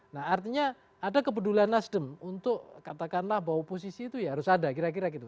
nah artinya ada kepedulian nasdem untuk katakanlah bahwa oposisi itu ya harus ada kira kira gitu